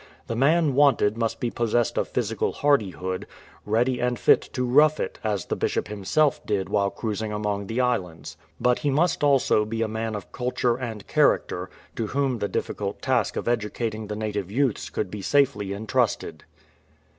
The man wanted must be possessed of physical hardihood, ready and fit to " rough it," as the Bishop himself did while cruising among the islands. But he must also be a man of culture and character, to whom the difficult task of educating the native youths could be safely entrusted.